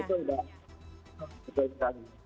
ya itu mbak